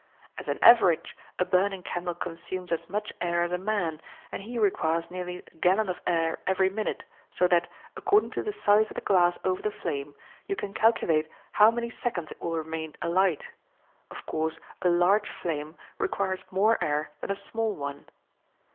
As an average, a burning candle consumes as much air as a man, and he requires nearly a gallon of air every minute, so that, according to the size of the glass over the flame, you can calculate how many seconds it will remain alight; of course a large flame requires more air than a small one.